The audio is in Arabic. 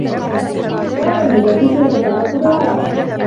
كان المدرّس يتصرّف بغرابة.